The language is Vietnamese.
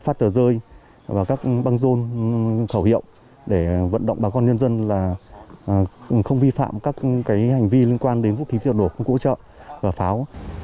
phát tờ rơi và các băng rôn khẩu hiệu để vận động bà con nhân dân là không vi phạm các hành vi liên quan đến vũ khí vật nổ công cụ hỗ trợ và pháo